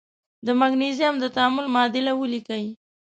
د مګنیزیم د تعامل معادله ولیکئ.